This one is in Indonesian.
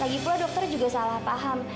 lagipula dokter juga salah paham